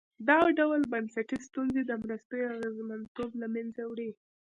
دا ډول بنسټي ستونزې د مرستو اغېزمنتوب له منځه وړي.